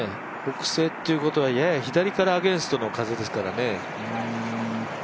北西ということは左からややアゲンストの風ですからね。